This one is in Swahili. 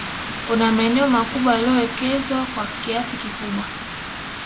kuna maeneo makubwa yaliyowekezwa kwa kiasi kikubwa